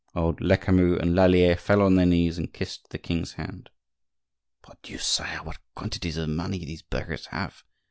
Old Lecamus and Lallier fell on their knees and kissed the king's hand. "Mordieu! sire, what quantities of money these burghers have!"